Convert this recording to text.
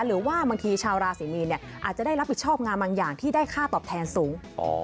หรือว่าบางทีชาวราศรีมีนอาจจะได้รับผิดชอบงานบางอย่างที่ได้ค่าตอบแทนสูง